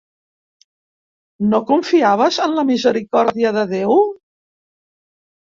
No confiaves en la misericòrdia de Déu?